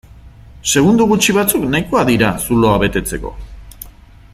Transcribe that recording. Segundo gutxi batzuk nahikoa dira zuloa betetzeko.